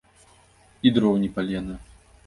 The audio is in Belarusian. І дроў ні палена.